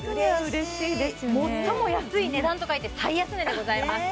嬉しい最も安い値段と書いて最安値でございます